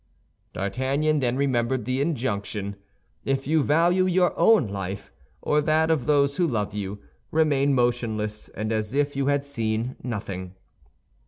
D'Artagnan then remembered the injunction: "If you value your own life or that of those who love you, remain motionless, and as if you had seen nothing."